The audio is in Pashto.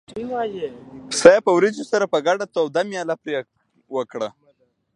پسه یې په وریجو سره په ګډه توده مېله پرې وکړه.